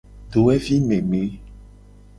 Dowevi meme.